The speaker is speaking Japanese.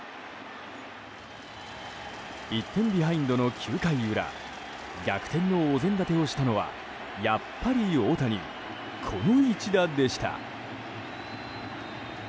１点ビハインドの９回裏逆転のお膳立てをしたのはやっぱり、大谷この一打でした。